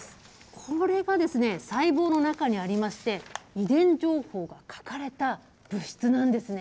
これがですね、細胞の中にありまして、遺伝情報が書かれた物質なんですね。